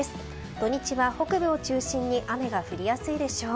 土日は北部を中心に雨が降りやすいでしょう。